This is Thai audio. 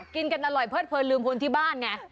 กินกันอร่อยเพิดเพลินลืมคนที่บ้านไง